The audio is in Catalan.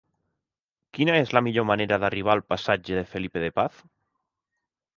Quina és la millor manera d'arribar al passatge de Felipe de Paz?